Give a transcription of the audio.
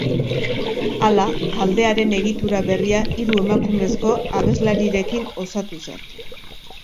Hala, taldearen egitura berria hiru emakumezko abeslarirekin osatu zen.